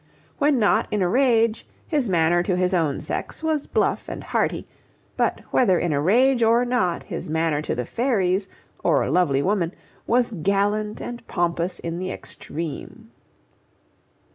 When not in a rage, his manner to his own sex was bluff and hearty; but whether in a rage or not, his manner to the fairies, or lovely woman, was gallant and pompous in the extreme.